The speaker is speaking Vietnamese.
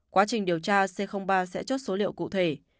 quá trình điều tra c ba sẽ chốt số liệu cụ thể